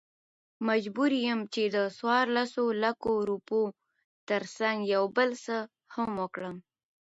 مجبور يم چې دڅورلسو لکو، روپيو ترڅنګ يو بل څه هم وکړم .